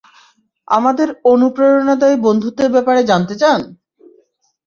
আমাদের অনুপ্রেরণাদায়ী বন্ধুত্বের ব্যাপারে জানতে চান?